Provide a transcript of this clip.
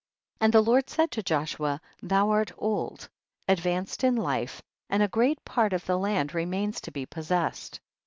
13. And the Lord said to Joshua, thou art old, advanced in hfe, and a great part of the land remains to be possessed.